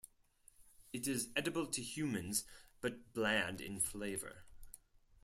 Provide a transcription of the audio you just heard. It is edible to humans, but bland in flavour.